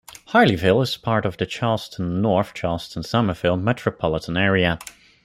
Harleyville is part of the Charleston-North Charleston-Summerville metropolitan area.